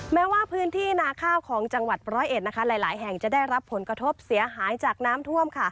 แม้ว่าพื้นที่นาข้าวของจังหวัดร้อยเอ็ดหลายแห่งจะได้รับผลกระทบเสียหายจากน้ำท่วม